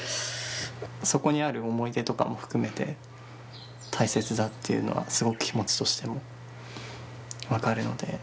そこにある思い出とかも含めて、大切だっていうのは、すごく気持ちとしても分かるので。